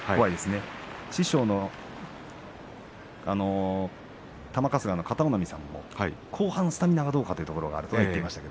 師匠の玉春日の片男波さんも後半スタミナがどうかっていうところがあると言っていました。